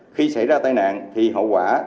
khi xảy ra tai nạn thì hậu quả